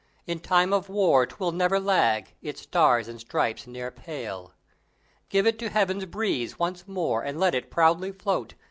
In time of War 'twill never lag; Its stars and stripes ne'er pale! Give it to Heaven's breeze, once more, And let it proudly float!